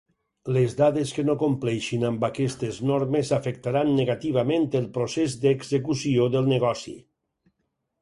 Les dades que no compleixin amb aquestes normes afectaran negativament el procés d'execució del negoci.